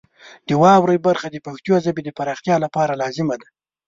د واورئ برخه د پښتو ژبې د پراختیا لپاره لازمه ده.